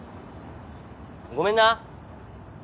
ごめんな。